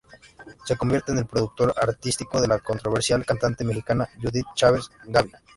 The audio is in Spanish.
Se convierte en el Productor Artístico de la controversial cantante mexicana Judith Chávez "Ga-Bí".